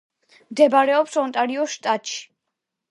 მდებარეობს ონტარიოს შტატში.